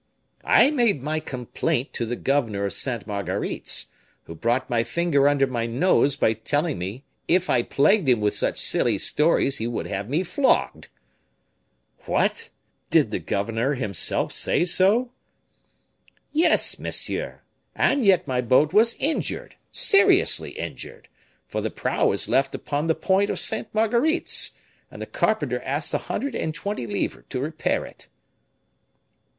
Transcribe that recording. "I made my complaint to the governor of Sainte Marguerite's, who brought my finger under my nose by telling me if I plagued him with such silly stories he would have me flogged." "What! did the governor himself say so?" "Yes, monsieur; and yet my boat was injured, seriously injured, for the prow is left upon the point of Sainte Marguerite's, and the carpenter asks a hundred and twenty livres to repair it."